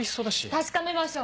確かめましょう。